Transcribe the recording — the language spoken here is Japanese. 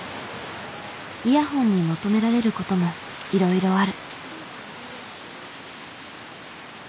イヤホンに求められることもいろいろある。